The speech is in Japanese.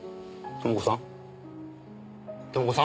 朋子さん？